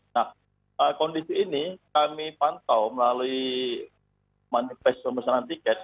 nah kondisi ini kami pantau melalui manifesto masalah tiket